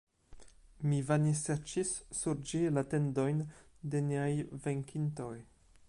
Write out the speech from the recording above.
Mi vane serĉis sur ĝi la tendojn de niaj venkintoj.